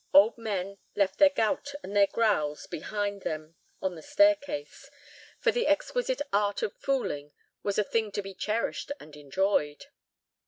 Old men left their gout and their growls behind them on the staircase, for the exquisite art of fooling was a thing to be cherished and enjoyed.